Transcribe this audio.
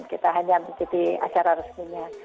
kita hanya mengikuti acara resminya